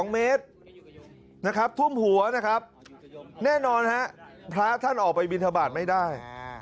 ๒เมตรธ่วมหัวแน่นอนพระอาท่านออกไปบินทบาทไม่ได้